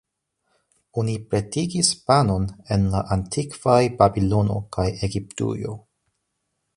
Oni pretigis panon en la antikvaj Babilono kaj Egiptujo.